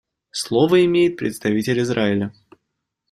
Слово имеет представитель Израиля.